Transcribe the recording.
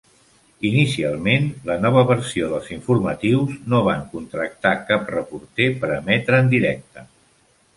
Inicialment, la nova versió dels informatius no van contractar cap reporter per emetre en directe.